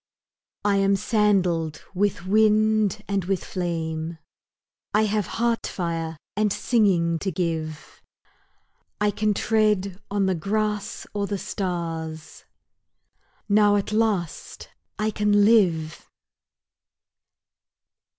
I am sandaled with wind and with flame, I have heart fire and singing to give, I can tread on the grass or the stars, Now at last I can live!